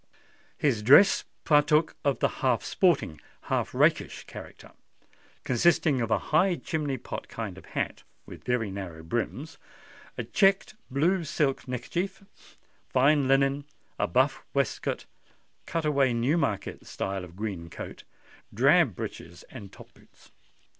His dress partook of the half sporting, half rakish character—consisting of a high chimney pot kind of hat, with very narrow brims, a checked blue silk neckerchief, fine linen, a buff waistcoat, cut away Newmarket style of green coat, drab breeches, and top boots.